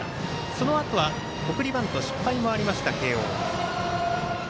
そのあとは送りバント失敗もありました、慶応。